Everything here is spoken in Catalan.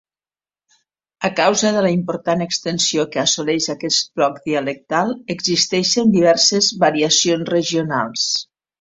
A causa de la important extensió que assoleix aquest bloc dialectal, existeixen diverses variacions regionals.